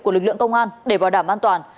của lực lượng công an để bảo đảm an toàn